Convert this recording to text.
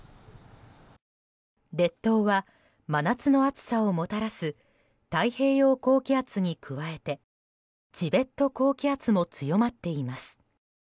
列島は真夏の暑さをもたらす太平洋高気圧に加えてチベット高気圧も強まっています。